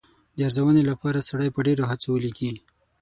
د ارزونې لپاره سړی په ډېرو هڅو ولیکي.